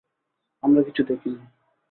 আমরা কিচ্ছু দেখিনি।